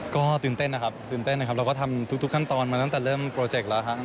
ก็ตื่นเต้นนะครับตื่นเต้นนะครับเราก็ทำทุกขั้นตอนมาตั้งแต่เริ่มโปรเจกต์แล้วครับ